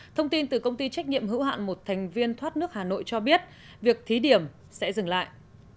thông tin từ công ty trách nhiệm hữu hạn một thành viên thoát nước hà nội cho biết việc thí điểm sẽ dừng lại